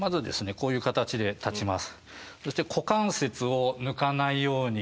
こういう形で立ちます。